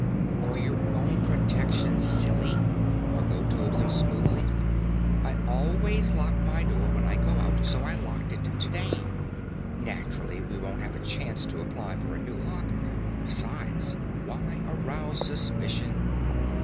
"For your own protection, silly," Margot told him smoothly. "I always lock my door when I go out, so I locked it today. Naturally, we won't have a chance to apply for a new lock. Besides, why arouse suspicion?"